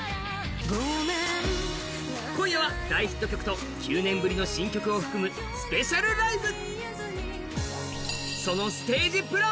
今夜は大ヒット曲と９年ぶりの新曲を含む、スペシャルライブ。